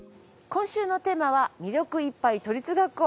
今週のテーマは「魅力いっぱい都立学校」。